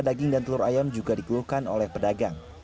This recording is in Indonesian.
daging dan telur ayam juga dikeluhkan oleh pedagang